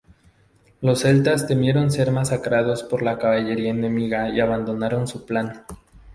Los celtas temieron ser masacrados por la caballería enemiga y abandonaron su plan.